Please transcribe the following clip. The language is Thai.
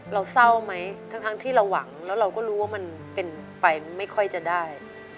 เศร้าไหมทั้งที่เราหวังแล้วเราก็รู้ว่ามันเป็นไปไม่ค่อยจะได้